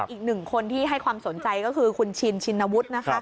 อีกหนึ่งคนที่ให้ความสนใจก็คือคุณชินชินวุฒินะคะ